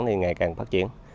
ngày càng phát triển